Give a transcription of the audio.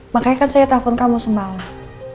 makanya kan saya telepon kamu semangat